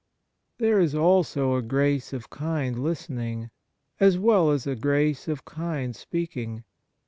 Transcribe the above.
There is also a grace of kind listening, as well as a grace of kind speaking.